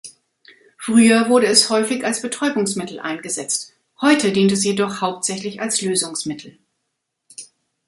Früher wurde es häufig als Betäubungsmittel eingesetzt, heute dient es jedoch hauptsächlich als Lösungsmittel.